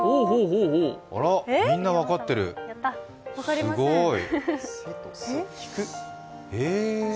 あら、みんな分かってる、すごい。